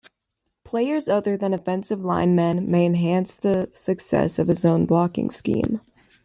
Players other than offensive linemen may enhance the success of a zone blocking scheme.